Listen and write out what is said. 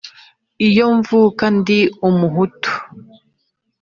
Iyo mvuka ndi umuhutu